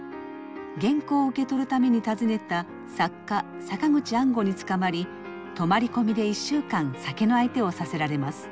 原稿を受け取るために訪ねた作家坂口安吾につかまり泊まり込みで１週間酒の相手をさせられます。